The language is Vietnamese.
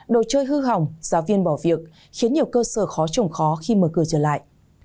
đồ chơi hư hỏng giáo viên bỏ việc khiến nhiều cơ sở khó trồng khó khi mở cửa trở lại